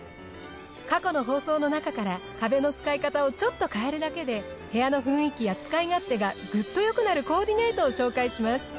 過去の放送のなかから壁の使い方をちょっと変えるだけで部屋の雰囲気や使い勝手がグッとよくなるコーディネートを紹介します。